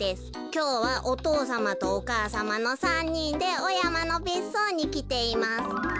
きょうはお父さまとお母さまの３にんでおやまのべっそうにきています。